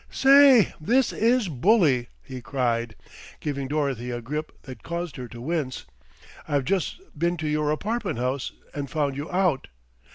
"Say, this is bully," he cried, giving Dorothy a grip that caused her to wince. "I've just been to your apartment house and found you out."